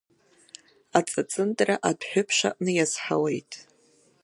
Аҵаҵындра адәҳәыԥш аҟны иазҳауеит.